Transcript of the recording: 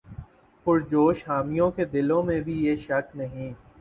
پرجوش حامیوں کے دلوں میں بھی یہ شک نہیں